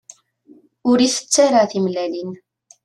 Ur itett ara timellalin.